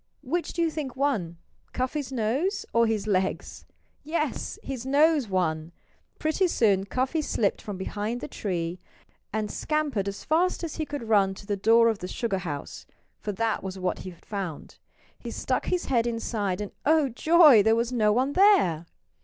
Which do you think won Cuffy's nose or his legs?... Yes! His nose won! Pretty soon Cuffy slipped from behind the tree and scampered as fast as he could run to the door of the sugar house for that was what he had found. He stuck his head inside and oh, joy! there was no one there.